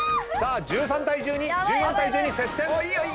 １３対１２１４対１２接戦！